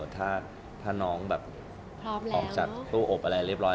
ถ้าน้องแบบออกจากตู้อบอะไรเรียบร้อย